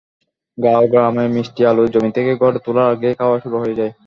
গাঁও-গ্রামে মিষ্টি আলু জমি থেকে ঘরে তোলার আগেই খাওয়া শুরু হয়ে যায়।